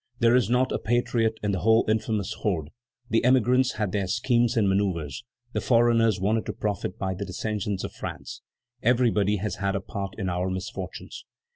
There is not a patriot in the whole infamous horde; the emigrants had their schemes and manoeuvres; the foreigners wanted to profit by the dissensions of France; everybody has had a part in our misfortunes."